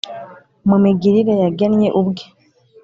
mu migirire yagennye ubwe